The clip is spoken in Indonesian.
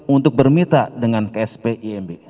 untuk bermita dengan ksp imb